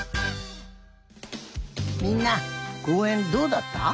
みんなこうえんどうだった？